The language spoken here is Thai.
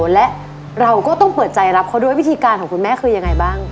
และเราก็ต้องเปิดใจรับเขาด้วยวิธีการของคุณแม่คือยังไงบ้าง